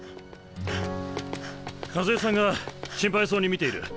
和枝さんが心配そうに見ている。